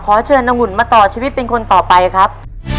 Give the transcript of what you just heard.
เชิญนางหุ่นมาต่อชีวิตเป็นคนต่อไปครับ